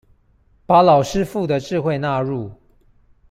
把老師傅的智慧納入